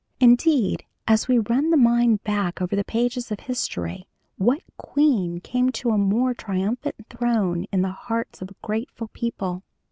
Indeed as we run the mind back over the pages of history, what queen came to a more triumphant throne in the hearts of a grateful people?